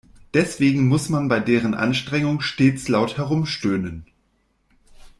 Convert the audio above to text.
Deswegen muss man bei deren Anstrengung stets laut herumstöhnen.